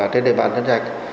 trên địa bàn nhân trạch